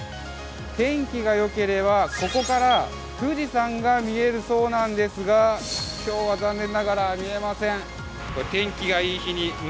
天気がよければここから富士山が見えるそうなんですが、今日は残念ながら見えません。